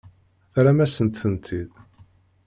Terram-asent-tent-id.